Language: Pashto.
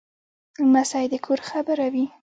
لمسی د کور خبره وي.